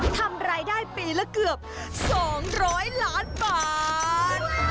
ทำรายได้ปีละเกือบ๒๐๐ล้านบาท